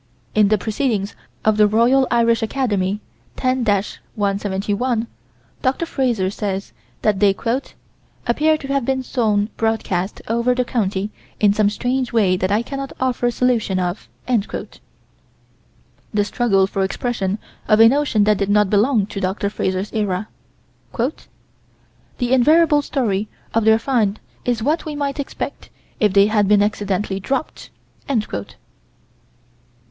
In the Proceedings of the Royal Irish Academy, 10 171, Dr. Frazer says that they "appear to have been sown broadcast over the country in some strange way that I cannot offer solution of." The struggle for expression of a notion that did not belong to Dr. Frazer's era: "The invariable story of their find is what we might expect if they had been accidentally dropped...."